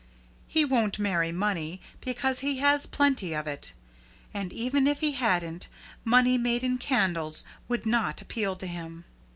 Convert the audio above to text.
He won't marry money, because he has plenty of it. And even if he hadn't, money made in candles would not appeal to him.